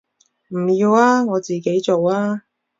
唔要啊，我自己做啊